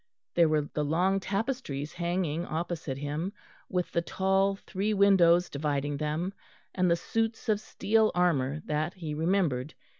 There were the long tapestries hanging opposite him, with the tall three windows dividing them, and the suits of steel armour that he remembered.